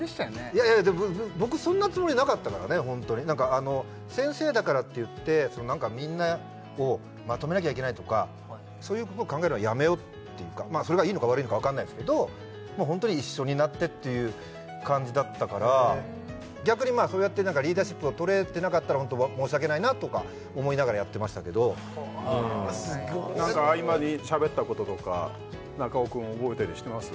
いやいや僕そんなつもりなかったからねホントに何かあの先生だからっていって何かみんなをまとめなきゃいけないとかそういうこと考えるのはやめようっていうかまあそれがいいのか悪いのか分かんないですけどもうホントに一緒になってっていう感じだったから逆にまあそうやってリーダーシップを取れてなかったらホント申し訳ないなとか思いながらやってましたけど何か合間にしゃべったこととか中尾くん覚えたりしてます？